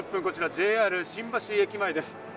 こちらＪＲ新橋駅前です。